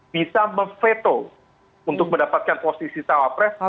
bisa memveto untuk mendapatkan posisi sawah pres